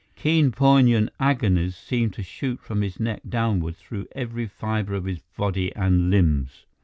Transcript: Keen, poignant agonies seemed to shoot from his neck downward through every fiber of his body and limbs.